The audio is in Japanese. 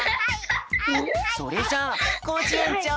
それじゃあコージえんちょう！